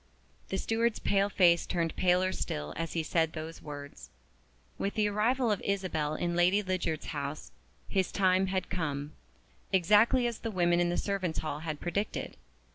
The steward's pale face turned paler still as he said those words. With the arrival of Isabel in Lady Lydiard's house "his time had come" exactly as the women in the servants' hall had predicted.